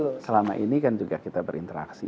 jadi selama ini kan juga kita berinteraksi